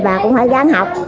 bà cũng phải ráng học